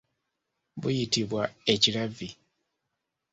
Buyitibwa ekiravvi.